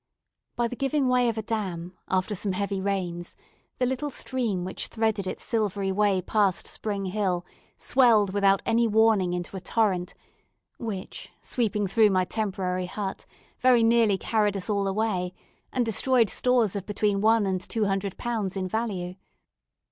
By the giving way of a dam, after some heavy rains, the little stream which threaded its silvery way past Spring Hill swelled without any warning into a torrent, which, sweeping through my temporary hut, very nearly carried us all away, and destroyed stores of between one and two hundred pounds in value.